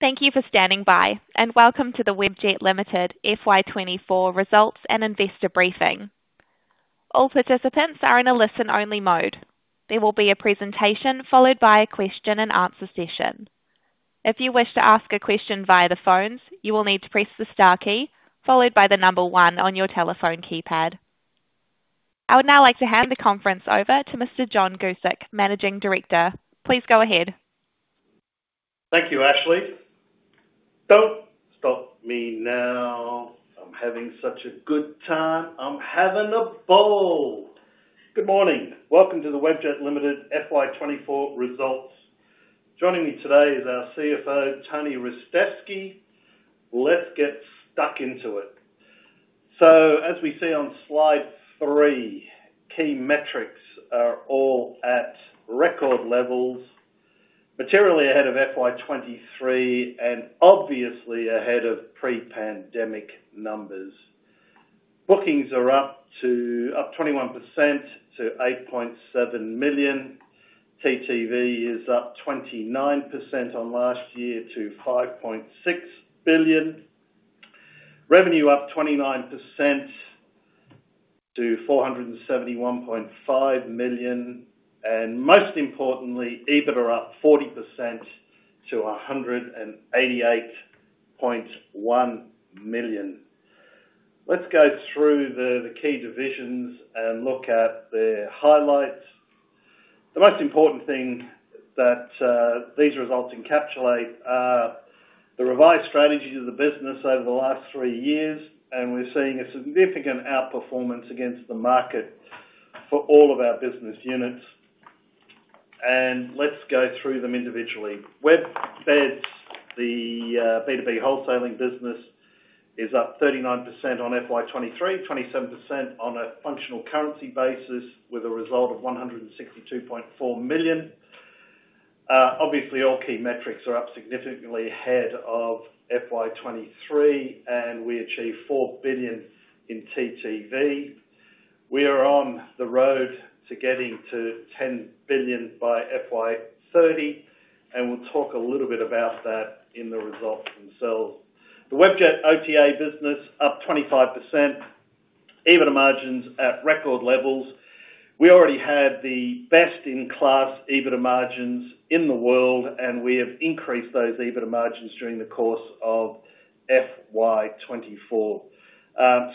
Thank you for standing by, and welcome to the Webjet Limited FY 2024 results and investor briefing. All participants are in a listen-only mode. There will be a presentation, followed by a question-and-answer session. If you wish to ask a question via the phones, you will need to press the star key, followed by the number one on your telephone keypad. I would now like to hand the conference over to Mr. John Guscic, Managing Director. Please go ahead. Thank you, Ashley. Don't stop me now! I'm having such a good time. I'm having a ball. Good morning. Welcome to the Webjet Limited FY 2024 results. Joining me today is our CFO, Tony Ristevski. Let's get stuck into it. So, as we see on slide three, key metrics are all at record levels, materially ahead of FY 2023 and obviously ahead of pre-pandemic numbers. Bookings are up 21% to 8.7 million. TTV is up 29% on last year to 5.6 billion. Revenue up 29% to 471.5 million, and most importantly, EBITDA up 40% to 188.1 million. Let's go through the key divisions and look at their highlights. The most important thing that, these results encapsulate are the revised strategies of the business over the last three years, and we're seeing a significant outperformance against the market for all of our business units. Let's go through them individually. WebBeds, the B2B wholesaling business, is up 39% on FY 2023, 27% on a functional currency basis, with a result of 162.4 million. Obviously, all key metrics are up significantly ahead of FY 2023, and we achieved 4 billion in TTV. We are on the road to getting to 10 billion by FY 2030, and we'll talk a little bit about that in the results themselves. The Webjet OTA business, up 25%, EBITDA margins at record levels. We already had the best-in-class EBITDA margins in the world, and we have increased those EBITDA margins during the course of FY 2024.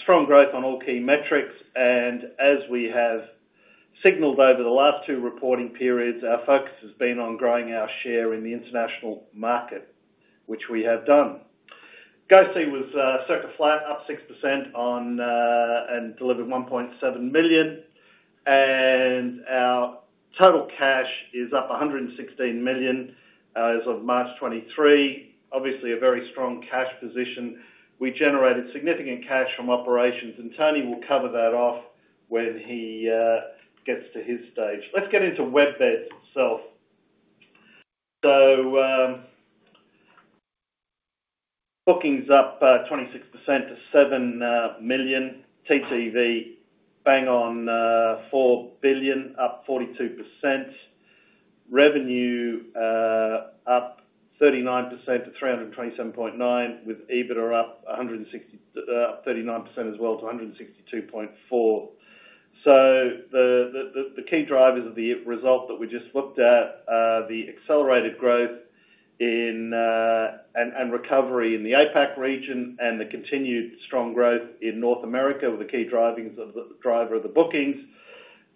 Strong growth on all key metrics, and as we have signaled over the last two reporting periods, our focus has been on growing our share in the international market, which we have done. GoSee was circa flat, up 6% on and delivered 1.7 million, and our total cash is up 116 million as of March 2023. Obviously, a very strong cash position. We generated significant cash from operations, and Tony will cover that off when he gets to his stage. Let's get into WebBeds itself. So, bookings up 26% to 7 million. TTV, bang on 4 billion, up 42%. Revenue up 39% to 327.9, with EBITDA up 39% as well to 162.4. So the key drivers of the result that we just looked at, the accelerated growth in and recovery in the APAC region, and the continued strong growth in North America were the key driver of the bookings.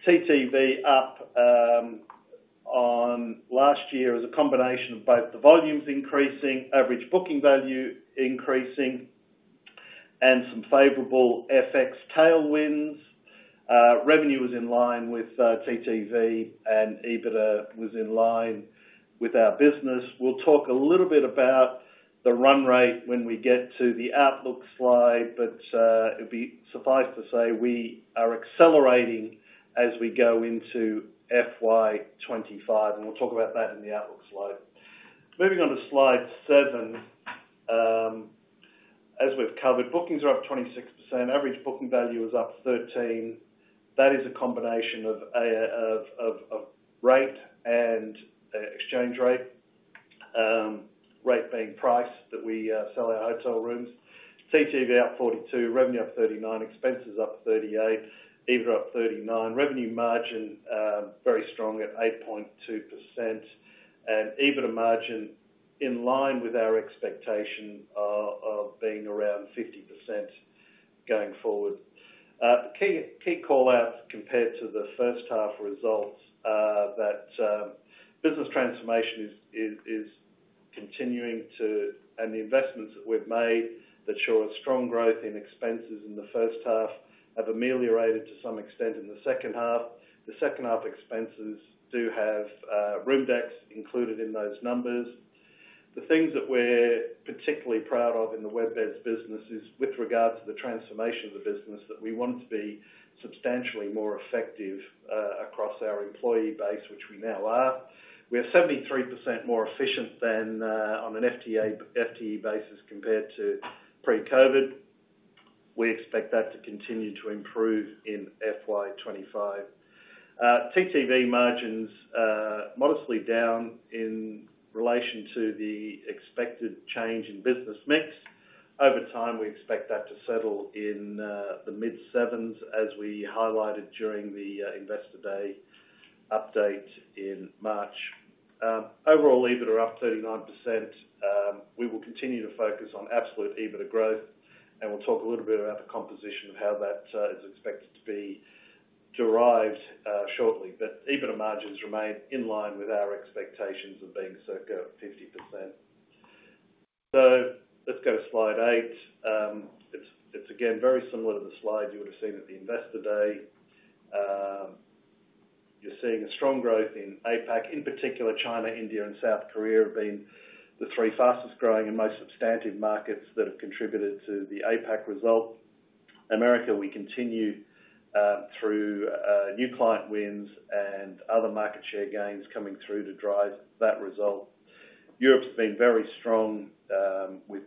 TTV up on last year as a combination of both the volumes increasing, average booking value increasing, and some favorable FX tailwinds. Revenue was in line with TTV, and EBITDA was in line with our business. We'll talk a little bit about the run rate when we get to the outlook slide, but it'd be suffice to say we are accelerating as we go into FY 2025, and we'll talk about that in the outlook slide. Moving on to slide seven. As we've covered, bookings are up 26%. Average booking value is up 13%. That is a combination of rate and exchange rate, rate being priced that we sell our hotel rooms. TTV up 42%, revenue up 39%, expenses up 38%, EBITDA up 39%. Revenue margin very strong at 8.2%, and EBITDA margin in line with our expectation of being around 50% going forward. The key, key call-out compared to the first half results, that business transformation is continuing to-- and the investments that we've made that show a strong growth in expenses in the first half have ameliorated to some extent in the second half. The second-half expenses do have, Roomdex included in those numbers. The things that we're particularly proud of in the WebBeds business is with regards to the transformation of the business, that we want to be substantially more effective, across our employee base, which we now are. We are 73% more efficient than, on an FTE basis compared to pre-COVID. We expect that to continue to improve in FY 2025. TTV margins are modestly down in relation to the expected change in business mix. Over time, we expect that to settle in the mid-sevens, as we highlighted during the Investor Day update in March. Overall, EBITDA are up 39%. We will continue to focus on absolute EBITDA growth, and we'll talk a little bit about the composition of how that is expected to be derived shortly. But EBITDA margins remain in line with our expectations of being circa 50%. So let's go to Slide 8. It's again very similar to the slide you would have seen at the Investor Day. You're seeing a strong growth in APAC. In particular, China, India, and South Korea have been the three fastest-growing and most substantive markets that have contributed to the APAC result. America, we continue through new client wins and other market share gains coming through to drive that result. Europe has been very strong, with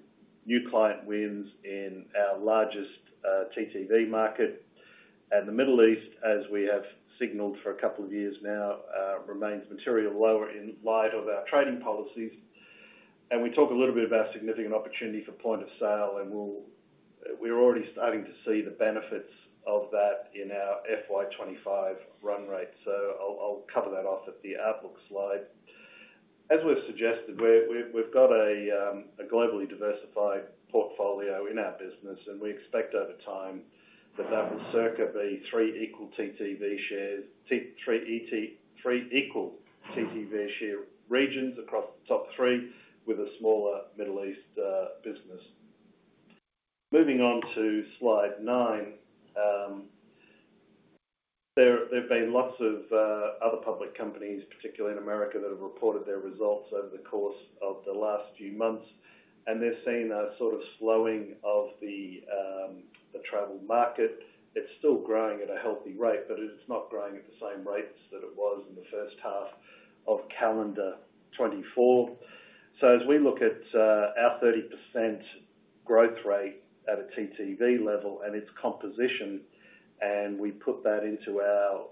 new client wins in our largest TTV market. The Middle East, as we have signaled for a couple of years now, remains material lower in light of our trading policies. We talk a little bit about significant opportunity for point of sale, and we're already starting to see the benefits of that in our FY 2025 run rate. So I'll cover that off at the outlook slide. As we've suggested, we've got a globally diversified portfolio in our business, and we expect over time that that will circa be three equal TTV shares, three equal TTV share regions across the top three, with a smaller Middle East business. Moving on to Slide 9. There have been lots of other public companies, particularly in America, that have reported their results over the course of the last few months, and they've seen a sort of slowing of the travel market. It's still growing at a healthy rate, but it's not growing at the same rates that it was in the first half of calendar 2024. So as we look at our 30% growth rate at a TTV level and its composition, and we put that into our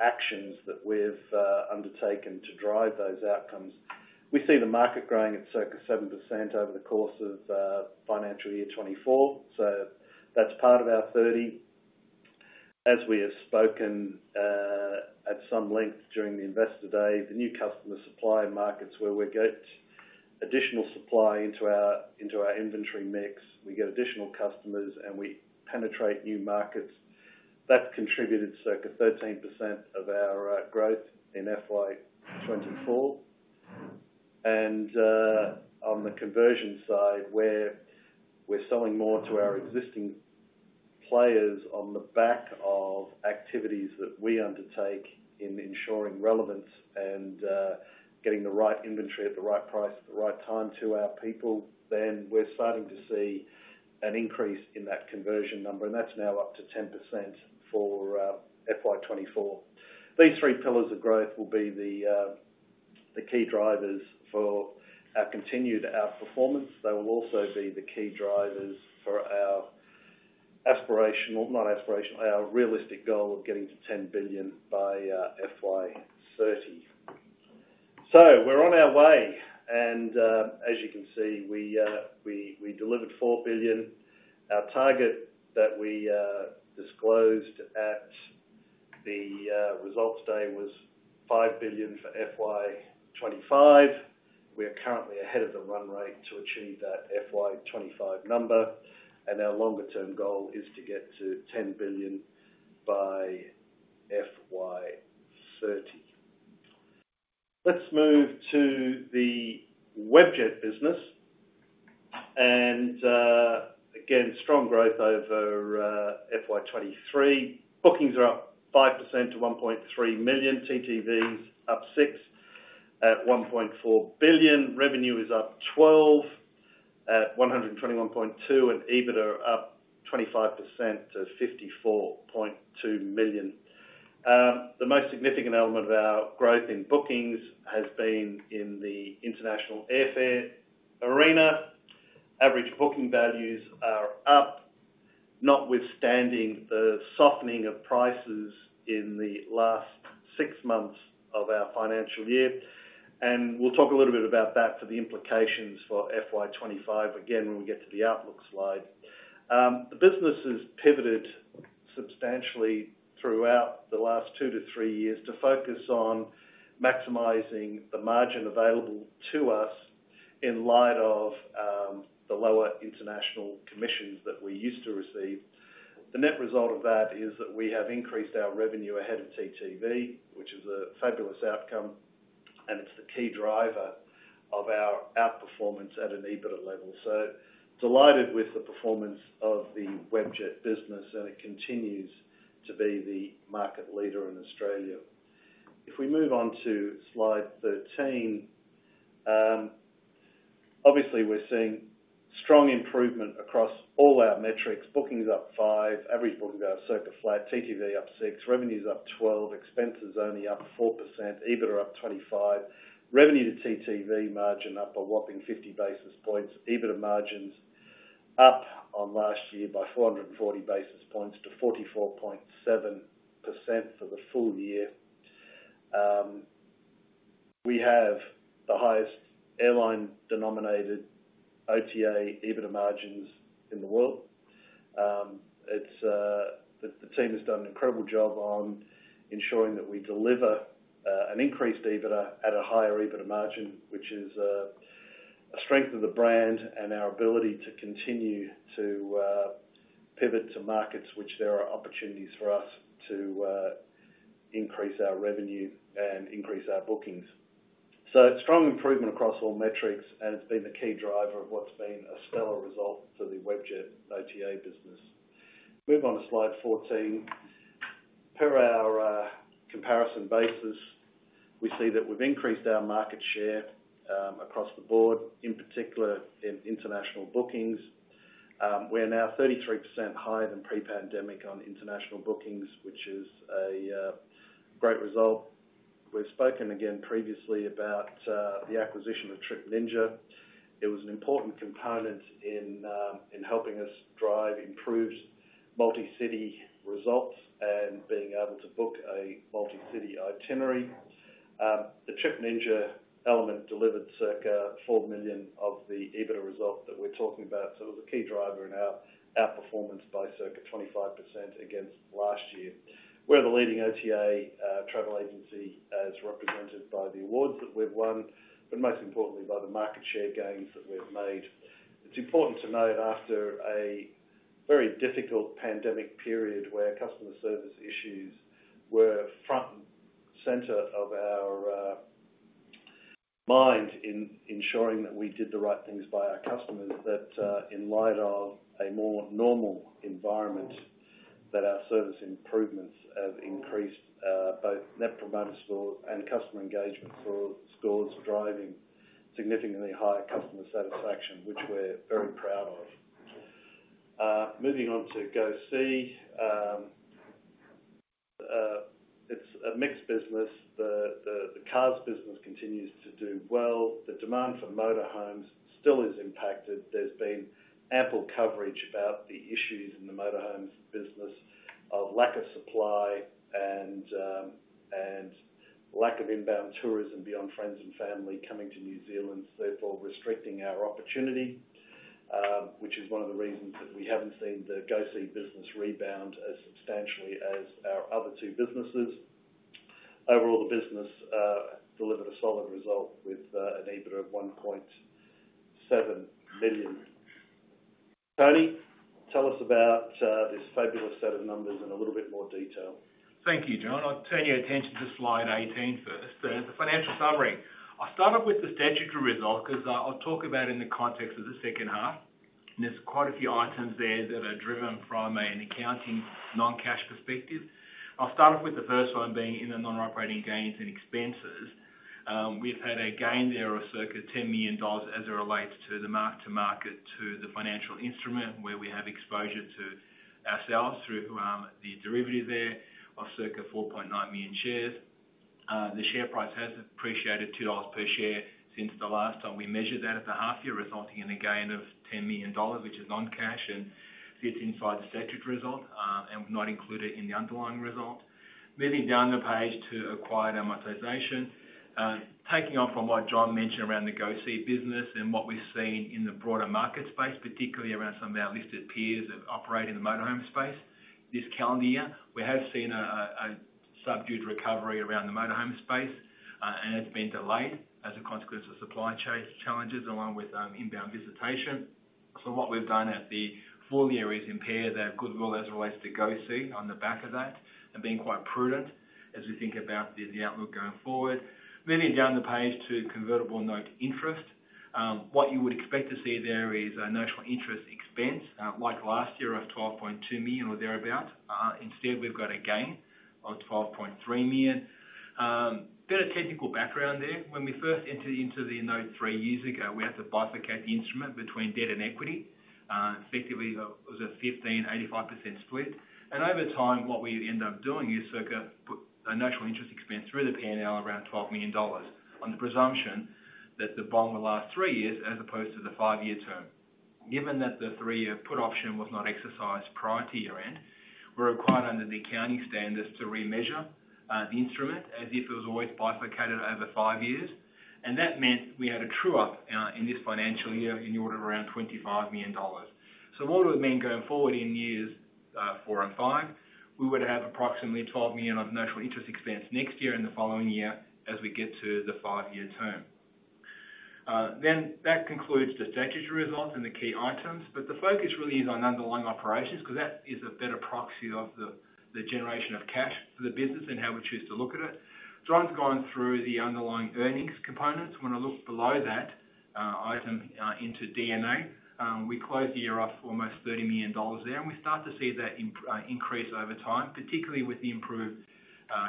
actions that we've undertaken to drive those outcomes, we see the market growing at circa 7% over the course of financial year 2024. So that's part of our thirty. As we have spoken at some length during the Investor Day, the new customer supply markets, where we get additional supply into our inventory mix, we get additional customers, and we penetrate new markets. That contributed circa 13% of our growth in FY 2024. And on the conversion side, where we're selling more to our existing players on the back of activities that we undertake in ensuring relevance and getting the right inventory at the right price, at the right time to our people, then we're starting to see an increase in that conversion number, and that's now up to 10% for FY 2024. These three pillars of growth will be the key drivers for our continued outperformance. They will also be the key drivers for our aspirational - not aspirational, our realistic goal of getting to 10 billion by FY 2030. So we're on our way, and, as you can see, we delivered 4 billion. Our target that we disclosed at the Results Day was 5 billion for FY 2025. We are currently ahead of the run rate to achieve that FY 2025 number, and our longer-term goal is to get to 10 billion by FY 2030. Let's move to the Webjet business. Again, strong growth over FY 2023. Bookings are up 5% to 1.3 million. TTV is up 6%, at 1.4 billion. Revenue is up 12%, at 121.2 million, and EBITDA up 25% to 54.2 million. The most significant element of our growth in bookings has been in the international airfare arena. Average booking values are up, notwithstanding the softening of prices in the last six months of our financial year. We'll talk a little bit about that for the implications for FY 2025 again, when we get to the outlook slide. The business has pivoted substantially throughout the last two to three years to focus on maximizing the margin available to us in light of the lower international commissions that we used to receive. The net result of that is that we have increased our revenue ahead of TTV, which is a fabulous outcome, and it's the key driver of our outperformance at an EBITDA level. So delighted with the performance of the Webjet business, and it continues to be the market leader in Australia. If we move on to Slide 13. Obviously, we're seeing strong improvement across all our metrics. Bookings up 5%, average booking are circa flat, TTV up 6%, revenue's up 12%, expenses only up 4%, EBITDA up 25%, revenue to TTV margin up a whopping 50 basis points, EBITDA margins up on last year by 440 basis points to 44.7% for the full year. We have the highest airline denominated OTA EBITDA margins in the world. It's the team has done an incredible job on ensuring that we deliver an increased EBITDA at a higher EBITDA margin, which is a strength of the brand and our ability to continue to pivot to markets which there are opportunities for us to increase our revenue and increase our bookings. So strong improvement across all metrics, and it's been the key driver of what's been a stellar result for the Webjet OTA business. Move on to slide 14. Per our comparison basis, we see that we've increased our market share across the board, in particular in international bookings. We're now 33% higher than pre-pandemic on international bookings, which is a great result. We've spoken again previously about the acquisition of Trip Ninja. It was an important component in in helping us drive improved multi-city results and being able to book a multi-city itinerary. The Trip Ninja element delivered circa 4 million of the EBITDA result that we're talking about. So it was a key driver in our outperformance by circa 25% against last year. We're the leading OTA, travel agency, as represented by the awards that we've won, but most importantly, by the market share gains that we've made. It's important to note after a very difficult pandemic period, where customer service issues were front and center of our mind in ensuring that we did the right things by our customers, that, in light of a more normal environment, that our service improvements have increased both Net Promoter Score and Customer Engagement Score, scores, driving significantly higher customer satisfaction, which we're very proud of. Moving on to GoSee. It's a mixed business. The cars business continues to do well. The demand for motor homes still is impacted. There's been ample coverage about the issues in the motor homes business, of lack of supply and lack of inbound tourism beyond friends and family coming to New Zealand, therefore restricting our opportunity, which is one of the reasons that we haven't seen the GoSee business rebound as substantially as our other two businesses. Overall, the business delivered a solid result with an EBITDA of 1.7 million. Tony, tell us about this fabulous set of numbers in a little bit more detail. Thank you, John. I'll turn your attention to slide 18 first. It's a financial summary. I'll start off with the statutory result because I'll talk about it in the context of the second half, and there's quite a few items there that are driven from an accounting, non-cash perspective. I'll start off with the first one, being in the non-operating gains and expenses. We've had a gain there of circa 10 million dollars as it relates to the mark-to-market to the financial instrument, where we have exposure to ourselves through the derivative thereof of circa 4.9 million shares. The share price has appreciated 2 dollars per share since the last time we measured that at the half year, resulting in a gain of 10 million dollars, which is non-cash and sits inside the statutory result, and not included in the underlying result. Moving down the page to acquired amortization. Taking off from what John mentioned around the GoSee business and what we've seen in the broader market space, particularly around some of our listed peers that operate in the motor home space. This calendar year, we have seen a subdued recovery around the motor home space, and it's been delayed as a consequence of supply challenges, along with inbound visitation. So what we've done at the full year is impair that goodwill as it relates to GoSee on the back of that, and being quite prudent as we think about the outlook going forward. Moving down the page to convertible note interest. What you would expect to see there is a notional interest expense, like last year, of 12.2 million or thereabout. Instead, we've got a gain of 12.3 million. A bit of technical background there. When we first entered into the note 3 years ago, we had to bifurcate the instrument between debt and equity. Effectively, it was a 15%-85% split, and over time, what we'd end up doing is circa, put a notional interest expense through the P&L around 12 million dollars, on the presumption that the bond will last 3 years as opposed to the 5-year term. Given that the 3-year put option was not exercised prior to year-end, we're required under the accounting standards to remeasure the instrument as if it was always bifurcated over 5 years. And that meant we had a true up in this financial year in the order of around 25 million dollars. So what would it mean going forward in years four and five? We would have approximately 12 million of notional interest expense next year and the following year as we get to the five-year term. Then that concludes the statutory results and the key items, but the focus really is on underlying operations, because that is a better proxy of the generation of cash for the business and how we choose to look at it. John's gone through the underlying earnings components. When I look below that item into D&A, we closed the year off almost 30 million dollars there, and we start to see that increase over time, particularly with the improved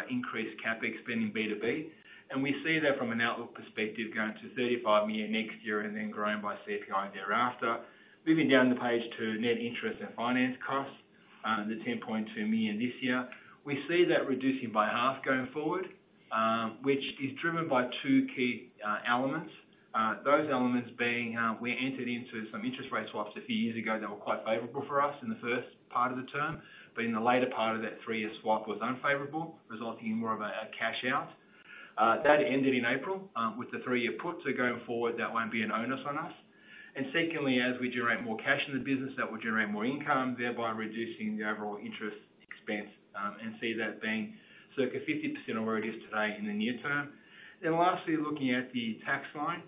increased CapEx spending B2B. And we see that from an outlook perspective, going to 35 million next year and then growing by CPI thereafter. Moving down the page to net interest and finance costs. The 10.2 million this year. We see that reducing by half going forward, which is driven by two key elements. Those elements being, we entered into some interest rate swaps a few years ago that were quite favorable for us in the first part of the term, but in the later part of that three-year swap was unfavorable, resulting in more of a cash out. That ended in April with the three-year put, so going forward, that won't be an onus on us. And secondly, as we generate more cash in the business, that will generate more income, thereby reducing the overall interest expense, and see that being circa 50% of where it is today in the near term. Then lastly, looking at the tax line,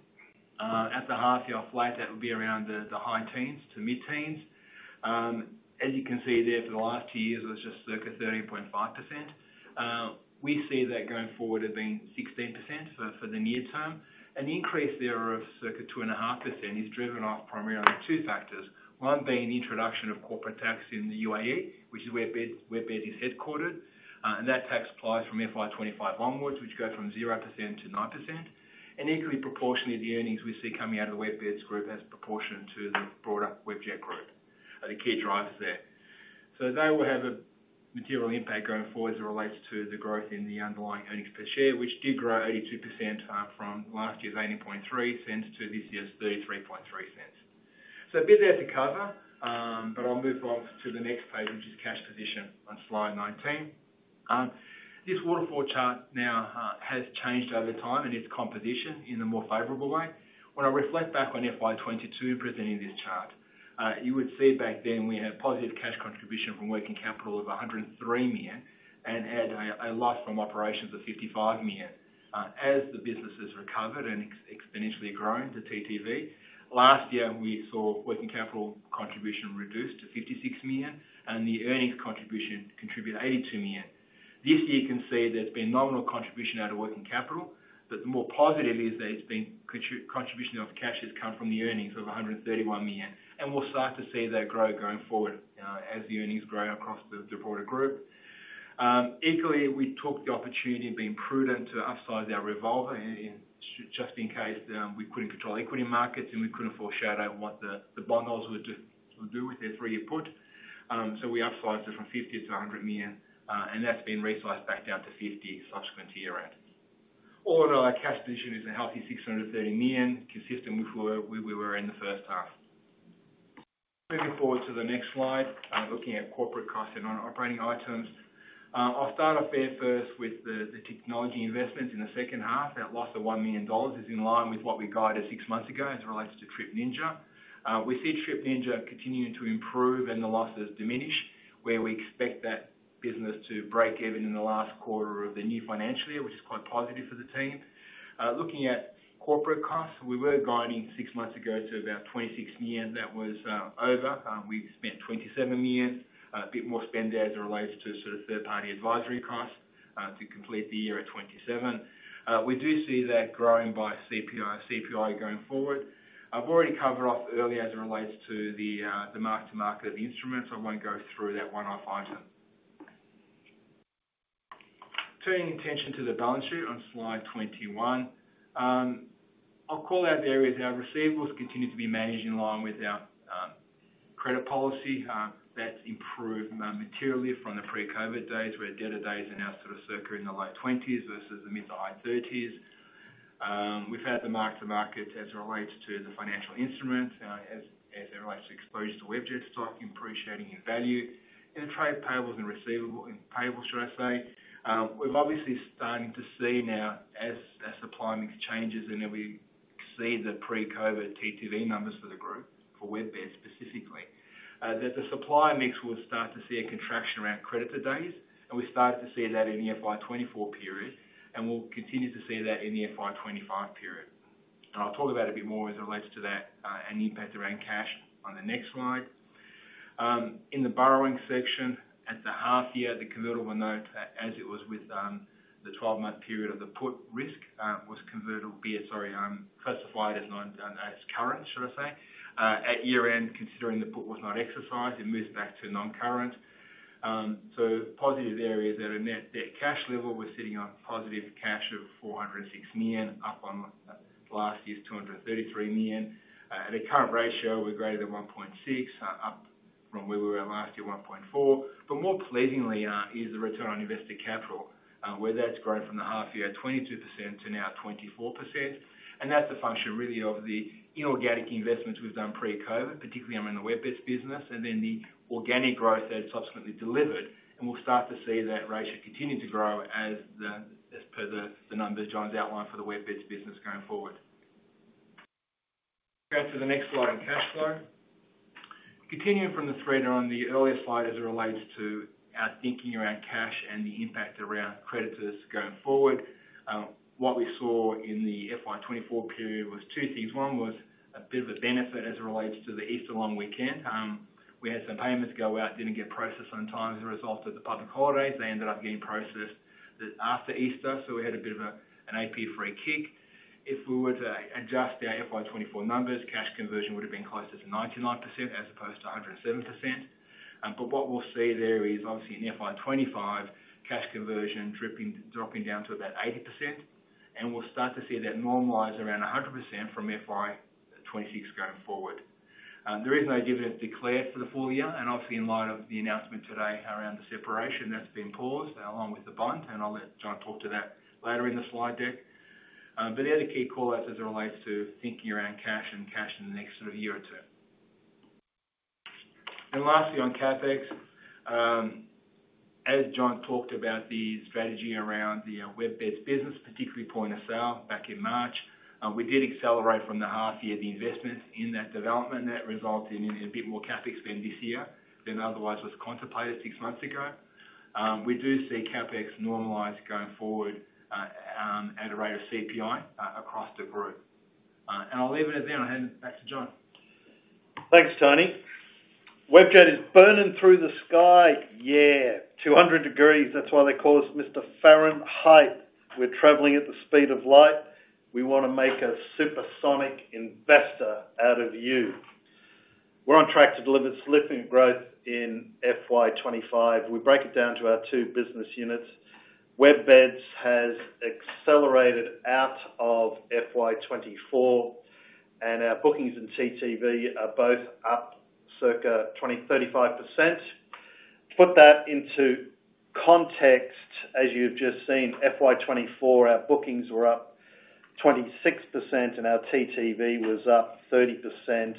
at the half year flight, that would be around the high teens to mid-teens. As you can see there, for the last two years, it was just circa 13.5%. We see that going forward as being 16%, so for the near term. An increase there of circa 2.5% is driven off primarily by two factors. One being the introduction of corporate tax in the UAE, which is where WebBeds is headquartered, and that tax applies from FY 2025 onwards, which goes from 0% to 9%. And equally proportionally, the earnings we see coming out of the WebBeds Group as proportion to the broader Webjet Group are the key drivers there. They will have a material impact going forward as it relates to the growth in the underlying earnings per share, which did grow 82%, from last year's 0.803 to this year's 0.333. So a bit there to cover, but I'll move on to the next page, which is cash position on slide 19. This waterfall chart now has changed over time in its composition in a more favorable way. When I reflect back on FY 2022, presenting this chart, you would see back then we had positive cash contribution from working capital of 103 million, and had a loss from operations of 55 million. As the business has recovered and exponentially grown to TTV, last year, we saw working capital contribution reduced to 56 million, and the earnings contribution contribute 82 million. This year, you can see there's been nominal contribution out of working capital, but the more positive is that it's been contribution of cash has come from the earnings of 131 million, and we'll start to see that grow going forward, as the earnings grow across the broader group. Equally, we took the opportunity of being prudent to upsize our revolver just in case, we couldn't control equity markets, and we couldn't foreshadow what the bondholders would do with their three-year put. So we upsized it from 50 million to 100 million, and that's been resized back down to 50 million subsequently year-end. All in all, our cash position is a healthy 630 million, consistent with where we were in the first half. Moving forward to the next slide, looking at corporate costs and non-operating items. I'll start off there first with the technology investments in the second half. That loss of 1 million dollars is in line with what we guided six months ago as it relates to Trip Ninja. We see Trip Ninja continuing to improve and the losses diminish, where we expect that business to break even in the last quarter of the new financial year, which is quite positive for the team. Looking at corporate costs, we were guiding six months ago to about 26 million. That was over. We spent 27 million, a bit more spend as it relates to sort of third-party advisory costs, to complete the year at 27 million. We do see that growing by CPI, CPI going forward. I've already covered off earlier as it relates to the mark-to-market instruments. I won't go through that one-off item. Turning attention to the balance sheet on slide 21. I'll call out the areas. Our receivables continue to be managed in line with our credit policy. That's improved materially from the pre-COVID days, where debt to days are now sort of circa in the late 20s versus the mid- to high 30s. We've had the mark-to-market as it relates to the financial instruments, as it relates to exposure to Webjet stock appreciating in value. In trade payables and receivables, in payables, should I say, we're obviously starting to see now as supply mix changes, and then we exceed the pre-COVID TTV numbers for the group, for WebBeds specifically, that the supplier mix will start to see a contraction around creditor days, and we started to see that in the FY 2024 period, and we'll continue to see that in the FY 2025 period. And I'll talk about it a bit more as it relates to that, and the impact around cash on the next slide. In the borrowing section, at the half year, the convertible notes, as it was with the 12-month period of the put risk, was classified as current, should I say. At year-end, considering the put was not exercised, it moved back to non-current. So positive areas that are net, that cash level was sitting on positive cash of 460 million, up on last year's 233 million. At a current ratio, we're greater than 1.6, up from where we were at last year, 1.4. But more pleasingly, is the return on invested capital, where that's grown from the half year, 22% to now 24%. And that's a function really of the inorganic investments we've done pre-COVID, particularly in the WebBeds business, and then the organic growth that's subsequently delivered. And we'll start to see that ratio continue to grow as the, as per the, the numbers John's outlined for the WebBeds business going forward. Go to the next slide on cash flow. Continuing from the thread on the earlier slide as it relates to our thinking around cash and the impact around creditors going forward, what we saw in the FY 2024 period was two things. One was a bit of a benefit as it relates to the Easter long weekend. We had some payments go out, didn't get processed on time as a result of the public holidays. They ended up getting processed after Easter, so we had a bit of a, an AP free kick. If we were to adjust the FY 2024 numbers, cash conversion would have been closer to 99% as opposed to 107%. But what we'll see there is obviously in FY 2025, cash conversion dripping, dropping down to about 80%. And we'll start to see that normalize around 100% from FY 2026 going forward. There is no dividend declared for the full year, and obviously, in light of the announcement today around the separation, that's been paused along with the bond, and I'll let John talk to that later in the slide deck. But they are the key call-outs as it relates to thinking around cash and cash in the next sort of year or two. Lastly, on CapEx. As John talked about the strategy around the WebBeds business, particularly point of sale, back in March, we did accelerate from the half year the investment in that development. That resulted in a bit more CapEx spend this year than otherwise was contemplated six months ago. We do see CapEx normalize going forward at a rate of CPI across the group. And I'll leave it at that and hand it back to John. Thanks, Tony. Webjet is burning through the sky. Yeah, 200 degrees. That's why they call us Mr. Fahrenheit. We're traveling at the speed of light. We wanna make a supersonic investor out of you. We're on track to deliver slipping growth in FY 2025. We break it down to our two business units. WebBeds has accelerated out of FY 2024, and our bookings and TTV are both up circa 20%-35%. Put that into context, as you've just seen, FY 2024, our bookings were up 26% and our TTV was up 30%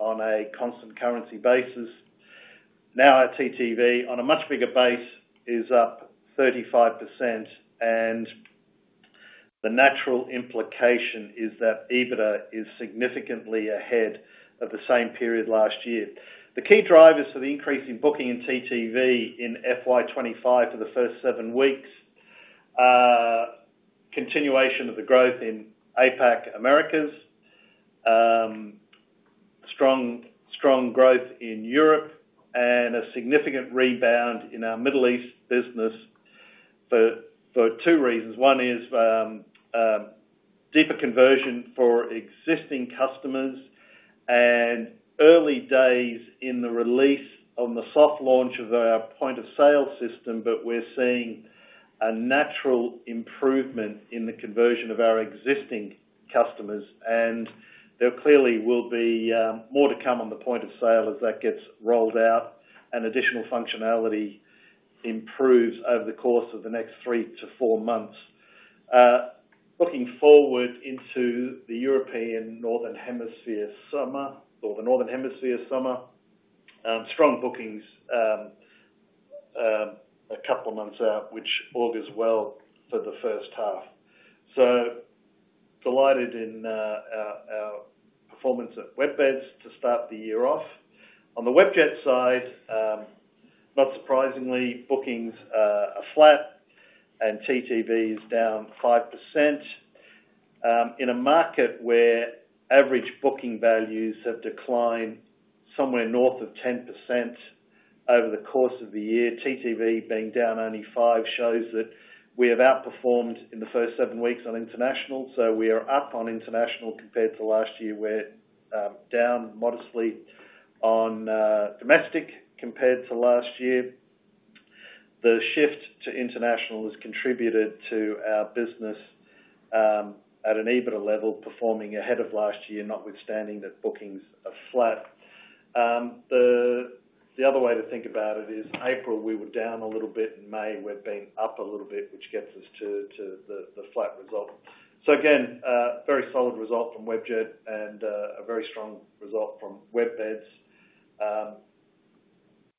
on a constant currency basis. Now, our TTV, on a much bigger base, is up 35%, and the natural implication is that EBITDA is significantly ahead of the same period last year. The key drivers for the increase in booking in TTV in FY 2025 for the first 7 weeks, continuation of the growth in APAC, Americas, strong growth in Europe, and a significant rebound in our Middle East business for 2 reasons. 1 is deeper conversion for existing customers, and early days in the release on the soft launch of our point of sale system, but we're seeing a natural improvement in the conversion of our existing customers. There clearly will be more to come on the point of sale as that gets rolled out and additional functionality improves over the course of the next 3 months to 4 months. Looking forward into the European Northern Hemisphere summer, or the Northern Hemisphere summer, strong bookings a couple of months out, which augurs well for the first half. So delighted in our performance at WebBeds to start the year off. On the Webjet side, not surprisingly, bookings are flat and TTV is down 5%. In a market where average booking values have declined somewhere north of 10% over the course of the year, TTV being down only 5% shows that we have outperformed in the first seven weeks on international, so we are up on international compared to last year. We're down modestly on domestic compared to last year. The shift to international has contributed to our business at an EBITDA level performing ahead of last year, notwithstanding that bookings are flat. The other way to think about it is April, we were down a little bit, in May, we've been up a little bit, which gets us to the flat result. So again, very solid result from Webjet and, a very strong result from WebBeds.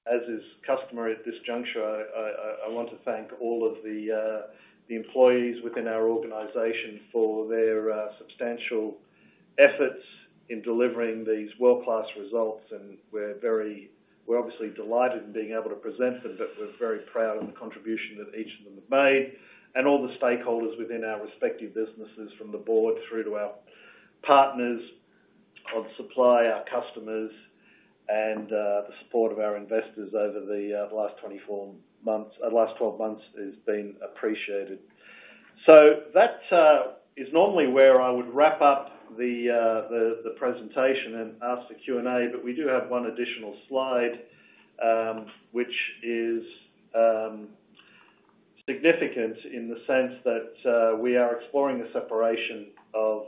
As is customary at this juncture, I want to thank all of the the employees within our organization for their substantial efforts in delivering these world-class results. And we're very, we're obviously delighted in being able to present them, but we're very proud of the contribution that each of them have made. And all the stakeholders within our respective businesses, from the board through to our partners of supply, our customers, and the support of our investors over the last 24 months, last 12 months, is being appreciated. So that is normally where I would wrap up the presentation and ask the Q&A, but we do have one additional slide, which is significant in the sense that we are exploring the separation of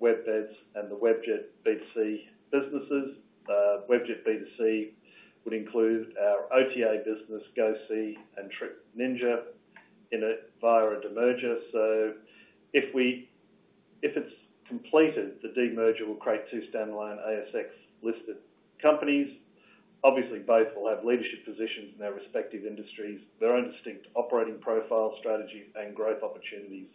WebBeds and the Webjet B2C businesses. Webjet B2C would include our OTA business, GoSee and Trip Ninja, via a demerger. So if it's completed, the demerger will create two standalone ASX-listed companies. Obviously, both will have leadership positions in their respective industries, their own distinct operating profile, strategy, and growth opportunities.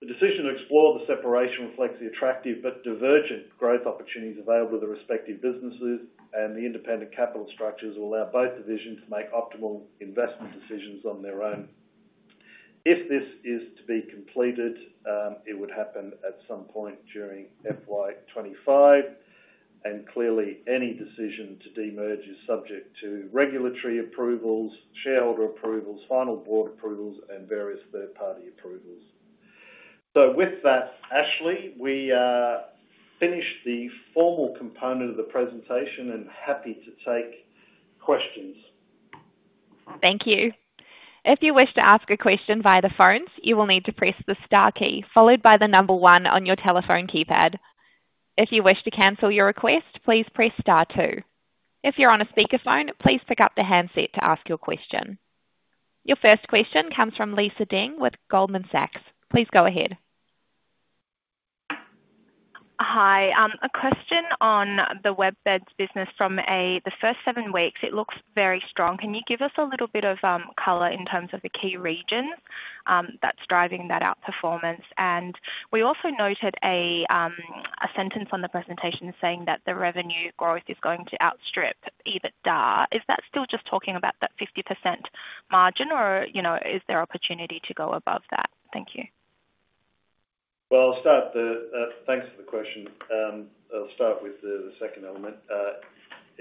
The decision to explore the separation reflects the attractive but divergent growth opportunities available to the respective businesses, and the independent capital structures will allow both divisions to make optimal investment decisions on their own. If this is to be completed, it would happen at some point during FY 2025, and clearly, any decision to demerge is subject to regulatory approvals, shareholder approvals, final board approvals, and various third-party approvals. So with that, Ashley, we finished the formal component of the presentation and happy to take questions. Thank you. If you wish to ask a question via the phones, you will need to press the star key, followed by the number one on your telephone keypad. If you wish to cancel your request, please press star two. If you're on a speakerphone, please pick up the handset to ask your question. Your first question comes from Lisa Deng with Goldman Sachs. Please go ahead. Hi. A question on the WebBeds business from the first seven weeks, it looks very strong. Can you give us a little bit of color in terms of the key regions that's driving that outperformance? And we also noted a sentence on the presentation saying that the revenue growth is going to outstrip EBITDA. Is that still just talking about that 50% margin, or, you know, is there opportunity to go above that? Thank you. Well, I'll start there, thanks for the question. I'll start with the second element.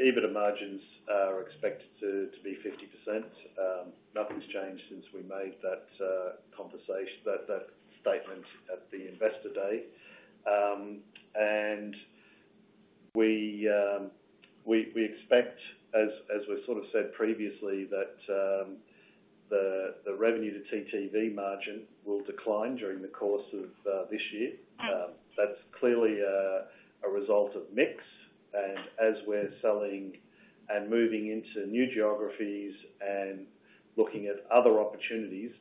EBITDA margins are expected to be 50%. Nothing's changed since we made that statement at the Investor Day. And we expect, as we sort of said previously, that the revenue to TTV margin will decline during the course of this year. Mm-hmm. That's clearly a result of mix, and as we're selling and moving into new geographies and looking at other opportunities,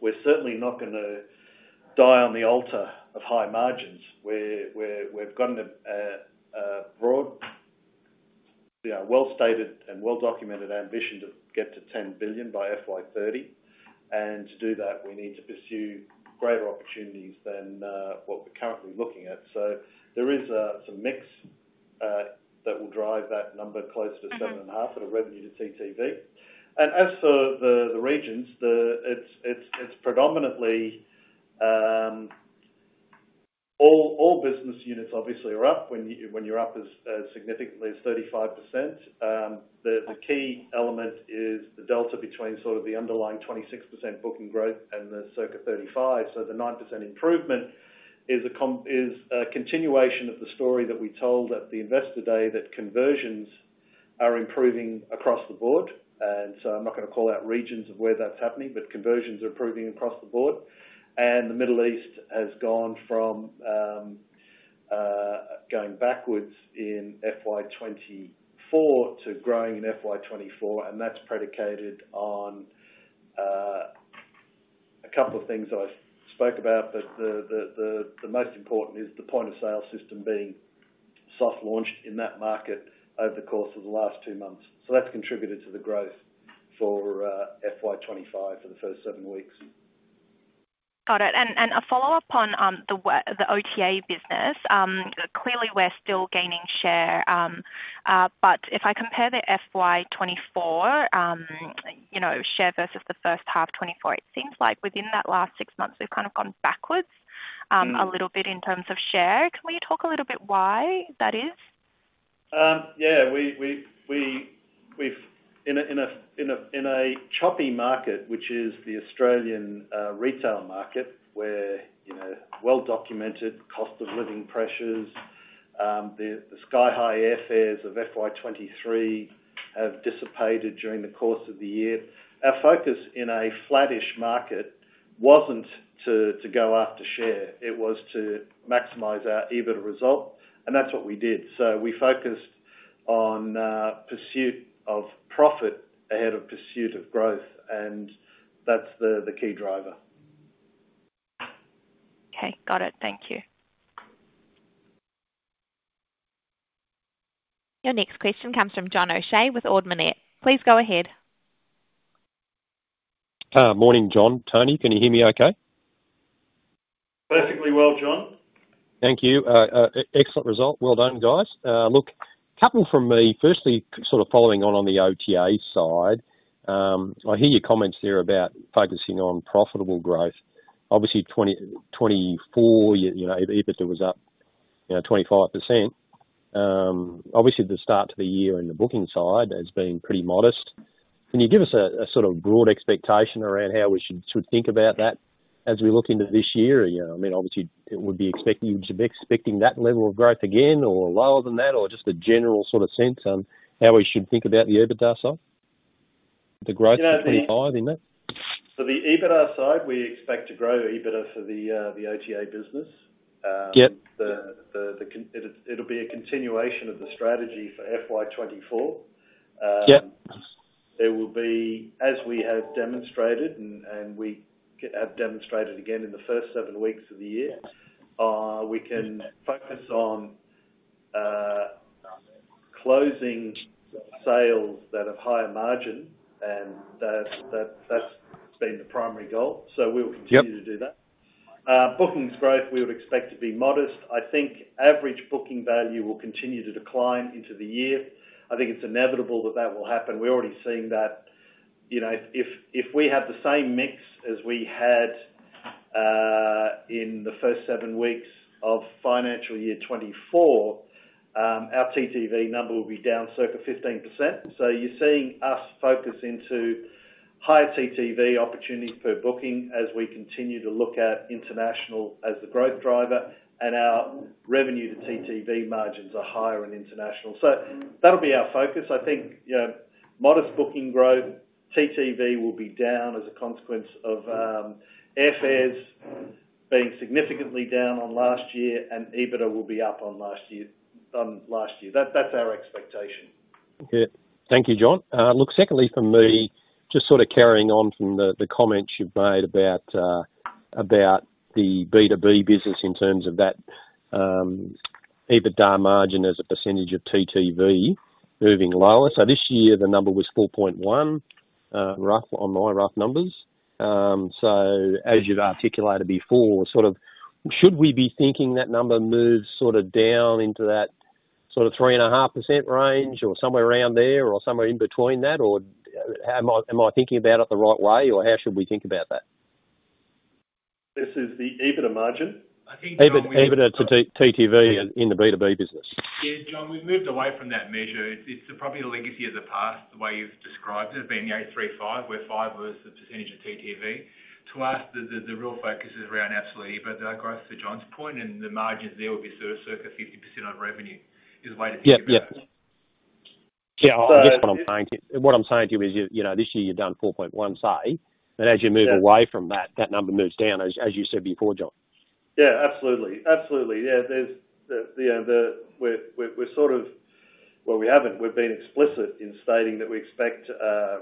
we're certainly not gonna die on the altar of high margins. We've got a broad, yeah, well-stated and well-documented ambition to get to 10 billion by FY 2030. To do that, we need to pursue greater opportunities than what we're currently looking at. So there is some mix that will drive that number closer- Mm-hmm -to 7.5 of the revenue to TTV. And as for the regions, it's predominantly all business units obviously are up when you're up as significantly as 35%. The key element is the delta between sort of the underlying 26% booking growth and the circa 35. So the 9% improvement is a continuation of the story that we told at the Investor Day, that conversions are improving across the board. And so I'm not gonna call out regions of where that's happening, but conversions are improving across the board. And the Middle East has gone from going backwards in FY 2024 to growing in FY 2024, and that's predicated on a couple of things I spoke about. But the most important is the point-of-sale system being soft launched in that market over the course of the last 2 months. So that's contributed to the growth for FY 2025 for the first 7 weeks. Got it. And a follow-up on the OTA business. Clearly, we're still gaining share, but if I compare the FY 2024, you know, share versus the first half 2024, it seems like within that last six months, we've kind of gone backwards. Mm-hmm A little bit in terms of share. Can we talk a little bit why that is? Yeah, we've in a choppy market, which is the Australian retail market, where, you know, well-documented cost of living pressures, the sky-high airfares of FY 2023 have dissipated during the course of the year. Our focus in a flattish market wasn't to go after share, it was to maximize our EBITDA result, and that's what we did. So we focused on pursuit of profit ahead of pursuit of growth, and that's the key driver. Okay, got it. Thank you. Your next question comes from John O'Shea with Ord Minnett. Please go ahead. Morning, John. Tony, can you hear me okay? Perfectly well, John. Thank you. Excellent result. Well done, guys. Look, couple from me, firstly, sort of following on, on the OTA side. I hear your comments there about focusing on profitable growth. Obviously, 2024, you know, EBITDA was up, you know, 25%. Obviously, the start to the year in the booking side has been pretty modest. Can you give us a sort of broad expectation around how we should think about that as we look into this year? You know, I mean, obviously, you'd be expecting that level of growth again or lower than that, or just a general sort of sense on how we should think about the EBITDA side, the growth to 25 in that? For the EBITDA side, we expect to grow EBITDA for the OTA business. Yep. It'll be a continuation of the strategy for FY 2024. Yep. It will be, as we have demonstrated, and we have demonstrated again in the first seven weeks of the year, we can focus on closing sales that have higher margin, and that's been the primary goal. Yep. So we will continue to do that. Bookings growth, we would expect to be modest. I think average booking value will continue to decline into the year. I think it's inevitable that that will happen. We're already seeing that. You know, if we have the same mix as we had in the first seven weeks of financial year 2024, our TTV number will be down circa 15%. So you're seeing us focus into higher TTV opportunities per booking as we continue to look at international as the growth driver, and our revenue to TTV margins are higher in international. So that'll be our focus. I think, you know, modest booking growth, TTV will be down as a consequence of airfares being significantly down on last year, and EBITDA will be up on last year, on last year. That's our expectation. Okay. Thank you, John. Look, secondly, for me, just sort of carrying on from the comments you've made about the B2B business in terms of that, EBITDA margin as a percentage of TTV moving lower. So this year the number was 4.1, on my rough numbers. So as you've articulated before, sort of, should we be thinking that number moves sort of down into that sort of 3.5% range or somewhere around there, or somewhere in between that? Or how am I, am I thinking about it the right way, or how should we think about that? This is the EBITDA margin? I think- EBITDA to TTV in the B2B business. Yeah, John, we've moved away from that measure. It's probably a legacy of the past, the way you've described it, as being a 3-5, where 5 was the percentage of TTV. To us, the real focus is around absolute growth, to John's point, and the margins there will be sort of circa 50% on revenue is the way to think about it. Yeah. Yeah. Yeah, I guess what I'm saying to you. What I'm saying to you is you, you know, this year you've done 4.1, say, but as you move away from that, that number moves down, as you said before, John. Yeah, absolutely. Absolutely. Yeah, there's the, we're sort of. Well, we haven't. We've been explicit in stating that we expect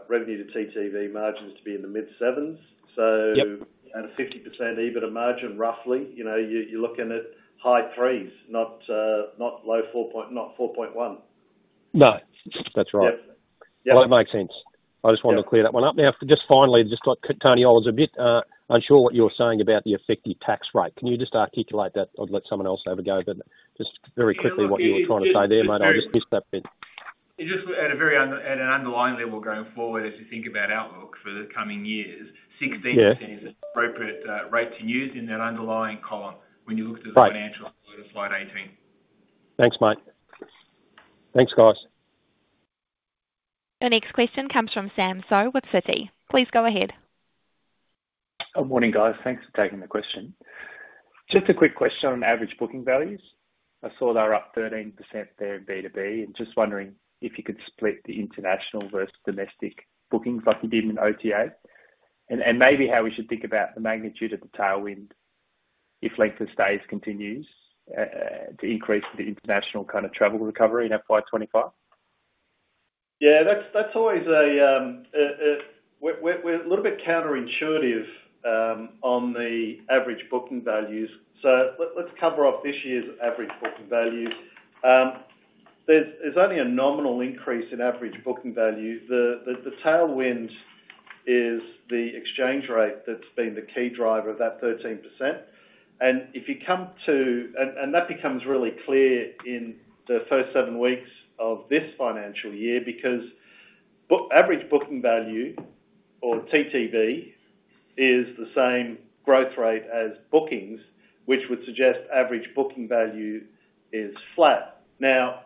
revenue to TTV margins to be in the mid-sevens. Yep. So, and a 50% EBITDA margin, roughly. You know, you, you're looking at high threes, not, not low four point—not 4.1. No, that's right. Yep. Well, it makes sense. Yeah. I just wanted to clear that one up. Now, just finally, just to Tony, I was a bit unsure what you were saying about the effective tax rate. Can you just articulate that or let someone else have a go? But just very quickly, what you were trying to say there, mate, I just missed that bit. It's just at an underlying level going forward, if you think about outlook for the coming years- Yeah. 16% is the appropriate rate to use in that underlying column when you look at the financials- Right. -on slide 18. Thanks, mate. Thanks, guys. The next question comes from Sam Seow with Citi. Please go ahead. Good morning, guys. Thanks for taking the question. Just a quick question on average booking values. I saw they're up 13% there in B2B, and just wondering if you could split the international versus domestic bookings like you did in OTA? And maybe how we should think about the magnitude of the tailwind if length of stays continues to increase the international kind of travel recovery in FY 2025? Yeah, that's always a little bit counterintuitive on the average booking values. So let's cover off this year's average booking values. There's only a nominal increase in average booking values. The tailwind is the exchange rate that's been the key driver of that 13%. And that becomes really clear in the first seven weeks of this financial year, because average booking value or TTV is the same growth rate as bookings, which would suggest average booking value is flat. Now,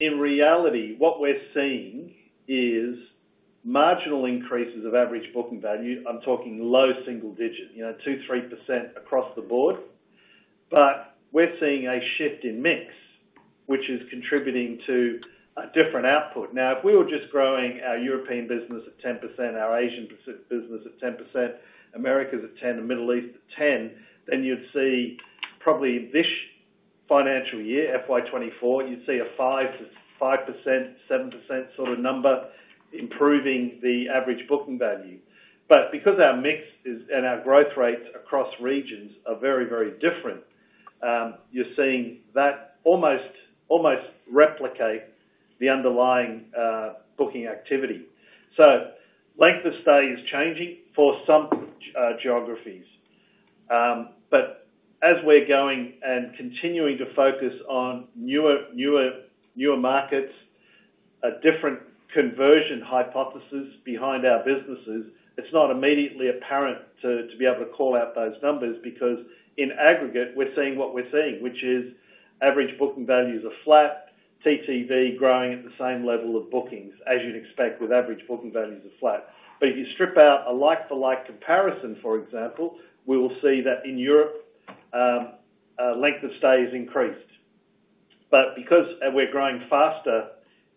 in reality, what we're seeing is marginal increases of average booking value. I'm talking low single digits, you know, 2%, 3% across the board. But we're seeing a shift in mix, which is contributing to a different output. Now, if we were just growing our European business at 10%, our Asian business at 10%, Americas at 10%, and Middle East at 10%, then you'd see probably this financial year, FY 2024, you'd see a 5%-5%, 7% sort of number, improving the average booking value. But because our mix is, and our growth rates across regions are very, very different, you're seeing that almost, almost replicate the underlying, booking activity. So length of stay is changing for some, geographies. But as we're going and continuing to focus on newer, newer, newer markets, a different conversion hypothesis behind our businesses, it's not immediately apparent to be able to call out those numbers, because in aggregate, we're seeing what we're seeing, which is average booking values are flat, TTV growing at the same level of bookings, as you'd expect with average booking values are flat. But if you strip out a like-for-like comparison, for example, we will see that in Europe, length of stay has increased. But because, and we're growing faster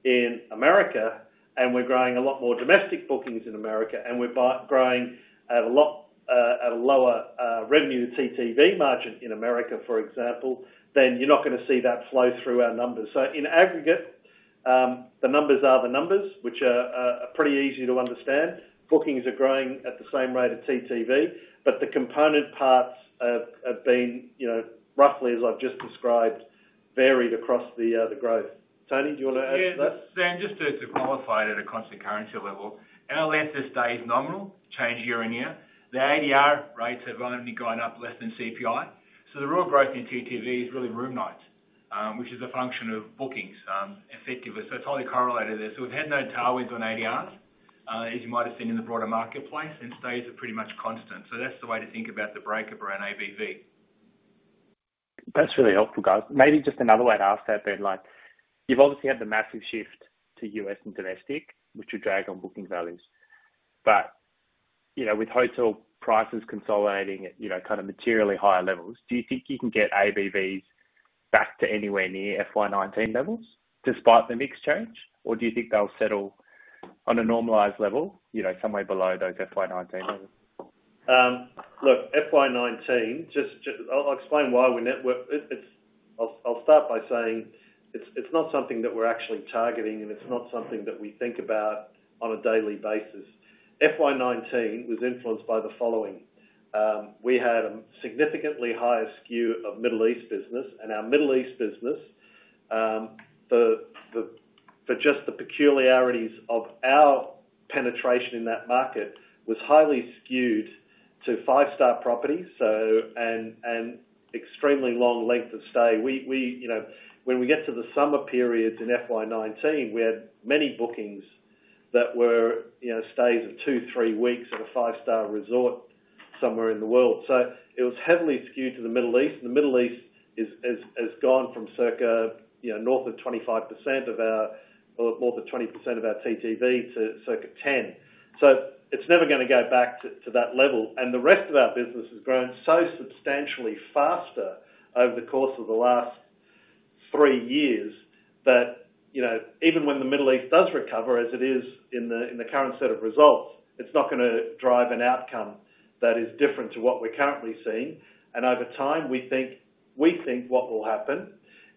in America, and we're growing a lot more domestic bookings in America, and we're growing at a lot lower revenue TTV margin in America, for example, then you're not going to see that flow through our numbers. In aggregate, the numbers are the numbers, which are pretty easy to understand. Bookings are growing at the same rate of TTV, but the component parts have been, you know, roughly, as I've just described, varied across the growth. Tony, do you want to add to that? Yeah. Sam, just to, to qualify it at a constant currency level, LOS has stayed nominal change year-over-year. The ADR rates have only gone up less than CPI. So the real growth in TTV is really room nights, which is a function of bookings, effectively. So it's highly correlated there. So we've had no tailwinds on ADRs, as you might have seen in the broader marketplace, and stays are pretty much constant. So that's the way to think about the breakup around ABV. That's really helpful, guys. Maybe just another way to ask that then, like, you've obviously had the massive shift to US and domestic, which would drag on booking values. But, you know, with hotel prices consolidating at, you know, kind of materially higher levels, do you think you can get ABVs back to anywhere near FY 2019 levels despite the mix change? Or do you think they'll settle on a normalized level, you know, somewhere below those FY 2019 levels? Look, FY 2019, I'll explain why we're net worth. It's not something that we're actually targeting, and it's not something that we think about on a daily basis. FY 2019 was influenced by the following: We had a significantly higher skew of Middle East business, and our Middle East business, the, for just the peculiarities of our penetration in that market, was highly skewed to five-star properties, so, and extremely long length of stay. You know, when we get to the summer periods in FY 2019, we had many bookings that were, you know, stays of 2 weeks-3 weeks at a five-star resort somewhere in the world. So it was heavily skewed to the Middle East. The Middle East has gone from circa, you know, north of 25% of our—or more than 20% of our TTV—to circa 10%. So it's never gonna go back to that level. The rest of our business has grown so substantially faster over the course of the last three years that, you know, even when the Middle East does recover, as it is in the current set of results, it's not gonna drive an outcome that is different to what we're currently seeing. And over time, we think what will happen